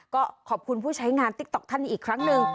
ก็ขอบคุณผู้ใช้งานติ๊กต๊อกท่านนี้อีกครั้งหนึ่ง